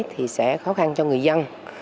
thì sẽ khó khăn cho người dân